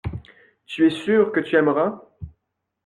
Tu es sûr que tu aimeras.